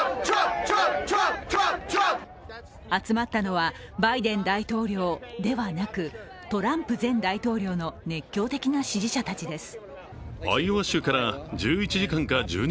集まったのはバイデン大統領ではなくトランプ前大統領の熱狂的な支持者たちです。